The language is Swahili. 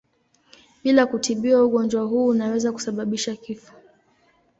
Bila kutibiwa ugonjwa huu unaweza kusababisha kifo.